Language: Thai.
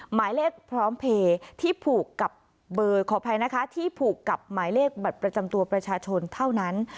๑หมายเลขพร้อมเพลย์ที่ผูกกับหมายเลขบัตรประจำตัวประชาชนเท่านั้น